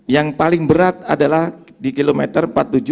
yang paling berat adalah di kilometer empat ribu tujuh ratus enam puluh enam